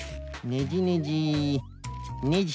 ねじねじねじ。